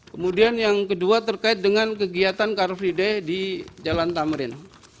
kemudian yang kedua terkait dengan kegiatan karvideh di jalan tamrin